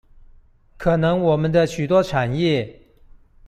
可能我們的許多產業